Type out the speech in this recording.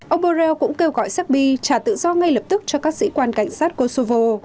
ông borrell cũng kêu gọi serbi trả tự do ngay lập tức cho các sĩ quan cảnh sát kosovo